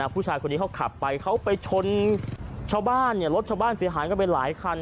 ผู้ชายคนนี้เขาขับไปเขาไปชนชาวบ้านรถชาวบ้านเสียหายกันไปหลายคัน